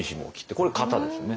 これ型ですよね。